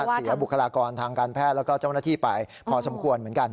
บุคลากรทางการแพทย์แล้วก็เจ้าหน้าที่ไปพอสมควรเหมือนกัน